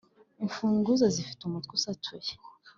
Imfunguzo zifite umutwe usatuye